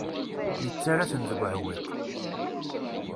Yettarra-ten deg uɛewwiq.